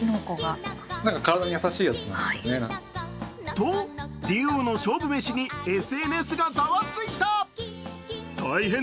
と、竜王の勝負めしにＳＮＳがざわついた。